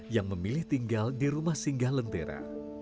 yang memilih tinggal di rumah singgah lentera